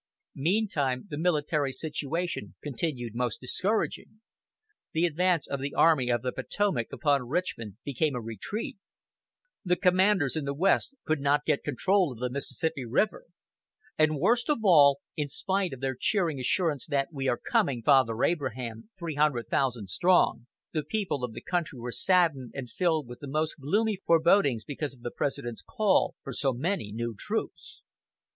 Meantime, the military situation continued most discouraging. The advance of the Army of the Potomac upon Richmond became a retreat; the commanders in the West could not get control of the Mississippi River; and worst of all, in spite of their cheering assurance that "We are coming, Father Abraham, three hundred thousand strong," the people of the country were saddened and filled with the most gloomy forebodings because of the President's call for so many new troops.